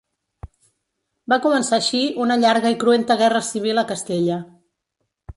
Va començar així una llarga i cruenta guerra civil a Castella.